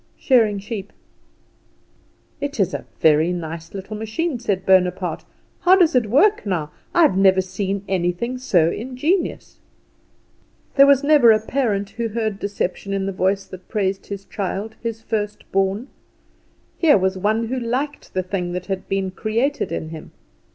"Shearing sheep." "It is a very nice little machine," said Bonaparte. "How does it work, now? I have never seen anything so ingenious!" There was never a parent who heard deception in the voice that praised his child his first born. Here was one who liked the thing that had been created in him.